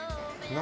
何？